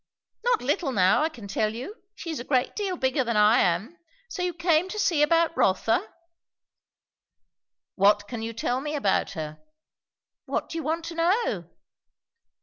"Not little now, I can tell you. She is a great deal bigger than I am. So you came to see about Rotha?" "What can you tell me about her?" "What do you want to know?"